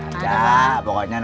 ntar lagi ajang